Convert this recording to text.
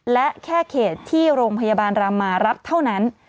และแค่เขตที่โรงพยาบาลรามารับเท่านั้น